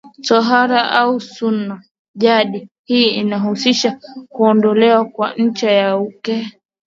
Tohara au Sunna jadi hii inahusisha kuondolewa kwa ncha ya uke